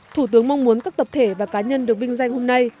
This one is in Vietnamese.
thủ tướng mong muốn các tập thể và cá nhân được vinh danh hôm nay